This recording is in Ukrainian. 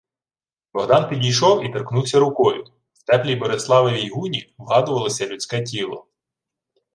Богдан підійшов і торкнувся рукою. В теплій Бориславовій гуні вгадувалось людське тіло.